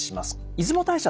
出雲大社